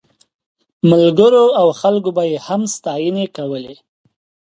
ملګرو او خلکو به یې هم ستاینې کولې.